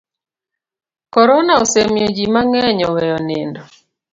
Korona osemiyo ji mang'eny oweyo nindo.